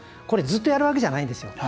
これ、ずっとやるわけじゃないですよ。